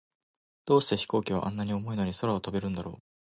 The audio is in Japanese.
どうして飛行機は、あんなに重いのに空を飛べるんだろう。